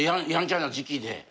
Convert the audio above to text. やんちゃな時期で。